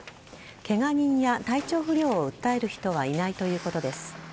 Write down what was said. ケガ人や体調不良を訴える人はいないということです。